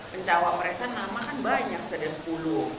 mencawa presen nama kan banyak sudah sepuluh